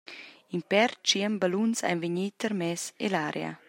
In per tschien balluns ein vegni tarmess ell’aria.